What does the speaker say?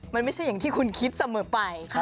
มันไม่ใช่อย่างที่คุณคิดเสมอไป